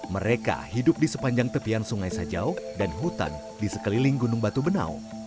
mereka hidup di sepanjang tepian sungai sajau dan hutan di sekeliling gunung batu benau